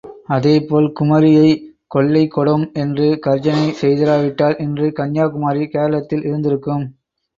அதே போல் குமரியை கொள்ளை கொடோம் என்று கர்ஜனை செய்திரா விட்டால் இன்று கன்யாகுமரி கேரளத்தில் இருந்திருக்கும்.